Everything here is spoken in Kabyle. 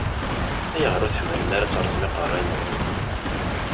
Ayɣer ur tḥemmlem ara ad teṛṛẓem iqeṛṛa-nwen?